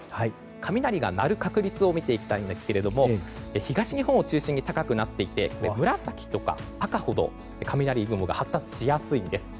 雷が鳴る確率を見ていきたいんですが東日本を中心に高くなっていて紫とか赤ほど雷雲が発達しやすいんです。